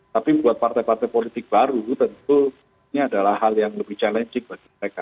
tapi buat partai partai politik baru tentu ini adalah hal yang lebih challenging bagi mereka